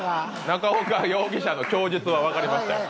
中岡容疑者の供述はわかりましたよ。